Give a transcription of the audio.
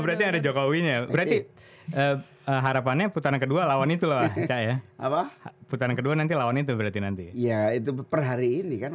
eh untuk satu putaran